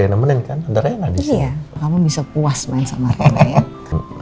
yang nemenin kan ada rena kamu bisa puas main sama rena